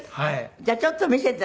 じゃあちょっと見せて。